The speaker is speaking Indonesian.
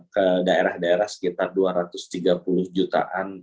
ke daerah daerah sekitar dua ratus tiga puluh jutaan